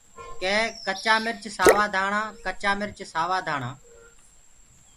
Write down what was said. ڪي ڪچآ مرچ سآوآ ڌآڻآ ڪچآ مرچ سوآ ڌآڻآ۔